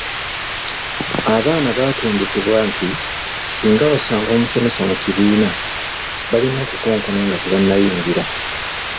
Abaana baatendekebwa nti singa basanga omusomesa mu kibiina, balina okukonkona nga tebannayingira.